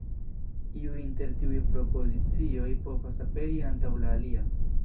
Iu inter tiuj propozicioj povas aperi antaŭ la alia.